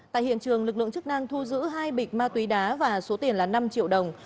tại hiện trường lực lượng chức năng thu giữ hai bịch ma túy đá và số tiền là năm triệu đồng